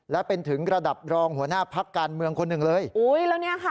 และเป็นถึงระดับรองหัวหน้าพักการเมืองคนหนึ่งเลยอุ้ยแล้วเนี่ยค่ะ